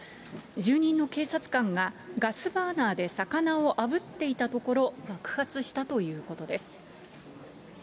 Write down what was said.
住人の警察官がガスバーナーで魚をあぶっていたところ、爆発したということです。